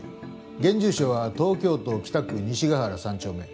現住所は東京都北区西ヶ原３丁目。